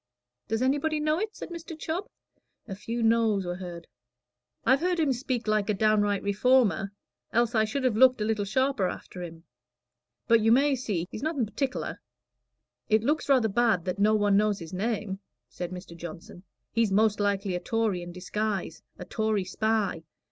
"Does anybody know it?" said Mr. Chubb. A few noes were heard. "I've heard him speak like a downright Reformer, else I should have looked a little sharper after him. But you may see he's nothing partic'lar." "It looks rather bad that no one knows his name," said Mr. Johnson. "He's most likely a Tory in disguise a Tory spy.